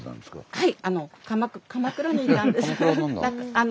はい。